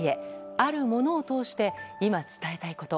あるものを通して今、伝えたいこと。